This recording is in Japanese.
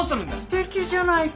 すてきじゃないか。